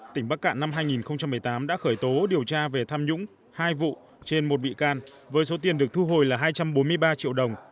tỉnh bắc cạn năm hai nghìn một mươi tám đã khởi tố điều tra về tham nhũng hai vụ trên một bị can với số tiền được thu hồi là hai trăm bốn mươi ba triệu đồng